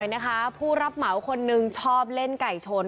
เห็นไหมนะคะผู้รับหมายว่าคนหนึ่งชอบเล่นไก่ชน